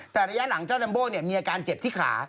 แต่ระยะหลังเจ้าลัมโบ้มีอาการเจ็บที่ขา